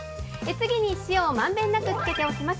次に塩をまんべんなく付けておきます。